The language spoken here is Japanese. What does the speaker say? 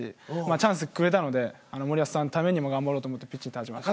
チャンスくれたので森保さんのためにも頑張ろうと思ってピッチに立ちました。